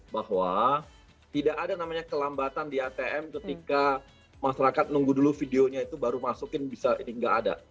bahwa tidak ada namanya kelambatan di atm ketika masyarakat nunggu dulu videonya itu baru masukin bisa ini nggak ada